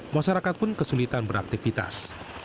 masyarakat pun kesulitan beraktifitas